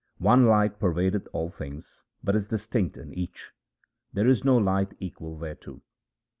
One light pervadeth all things but is distinct in each ; there is no light equal thereto.